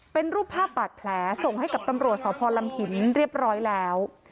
เป็นรูปภาพบาดแผลส่งให้กับตำรวจสพลำหินเรียบร้อยแล้ว